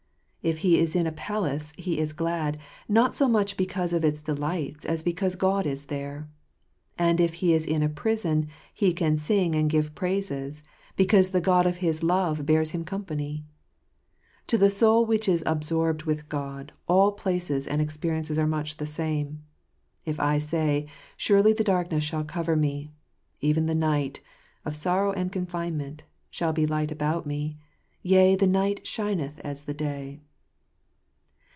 If he is in a palace he is glad, not so much because of its delights as because God is there. And if he is in a prison he can sing and give praises, because the God of his love bears him company. To the soul which is absorbed with God, all places and experiences are much the same. "If I say, Surely the darkness shall cover me; even the night — (of sorrow and of confinement) — shall be light about me: yea, the night shineth as the day."